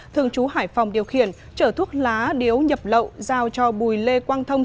thường chú hải phòng điều khiển trở thuốc lá điếu nhập lậu giao cho bùi lê quang thông